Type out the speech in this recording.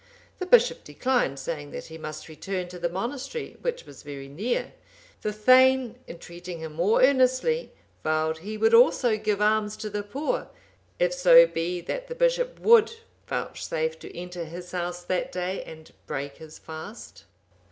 The bishop declined, saying that he must return to the monastery, which was very near. The thegn, entreating him more earnestly, vowed he would also give alms to the poor, if so be that the bishop would vouchsafe to enter his house that day and break his fast.